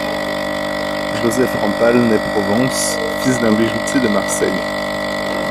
Joseph Rampal naît Provence, fils d'un bijoutier de Marseille.